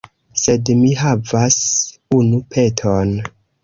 Sed mi havas unu peton.